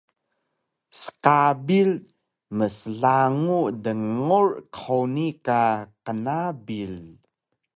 sqabil mslagu dngur qhuni ka qnabil